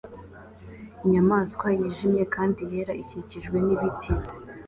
Inyamaswa yijimye kandi yera ikikijwe nibiti